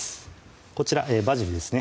こちらバジルですね